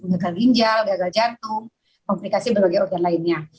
gagal ginjal gagal jantung komplikasi berbagai organ lainnya